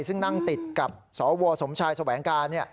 ซึ่งนั่งติดกับสวสมชายแสวงการ